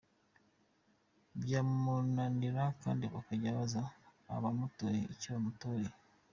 Byamunanira kandi bakajya babaza abamutoye icyo bamutoreye.